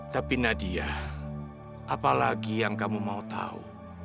tapi nadia apalagi yang kamu mau tahu